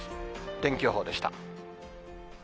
天気予報でした。